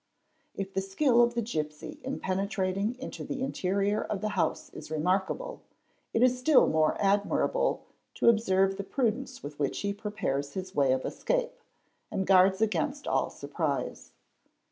If the skill of the gipsy in penetrating into the interior of the house is remarkable, it is still more admirable to observe the prudence with which he prepares his way of escape and guards against all surprise.